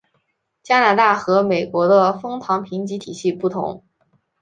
加拿大和美国的枫糖评级体系不同。